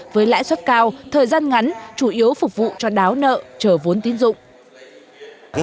với lãi suất cao thời gian ngắn chủ yếu phục vụ cho đáo nợ trở vốn tín dụng